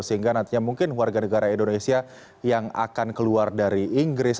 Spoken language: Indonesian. sehingga nantinya mungkin warga negara indonesia yang akan keluar dari inggris